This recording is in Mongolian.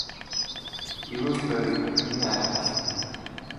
Эрүүл байвал бүх юмны арга олдоно.